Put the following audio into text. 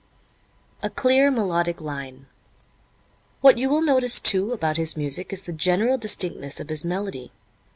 A Clear Melodic Line. What you will notice, too, about his music is the general distinctness of his melody.